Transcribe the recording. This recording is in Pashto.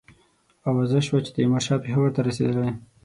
آوازه سوه چې تیمورشاه پېښور ته رسېدلی.